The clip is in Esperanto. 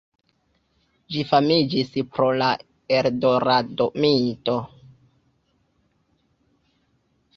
Ĝi famiĝis pro la Eldorado-mito.